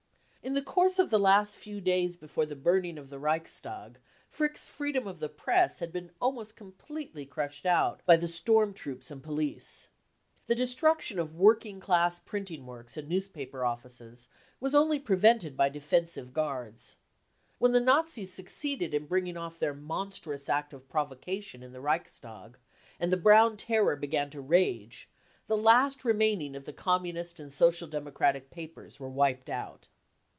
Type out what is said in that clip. In the course of the last few days before the burning of the Reichstag Frick's " freedom of the Press " had been almost completely crushed out by the storm troops and police. The destruction of working class printing works and newspaper offices was only prevented by defensive guards. When the Nazis succeeded in bringing off their monstrous act of provocation in the Reichstag and the Brown terror began to rage, the last remaining of the Communist and Social Democratic papers were wiped out.